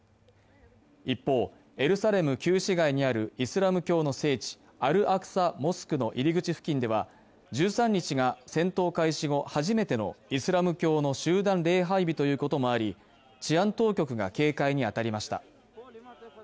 一方、エルサレム旧市街にあるイスラム教の聖地、アルアクサ・モスクの入り口付近では１３日が戦闘開始の初めてのイスラム教の集団礼拝日ということもあり、治安当局が警戒に当たりました。